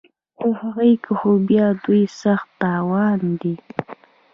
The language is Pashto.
په هغه کې خو بیا دوی ته سخت تاوان دی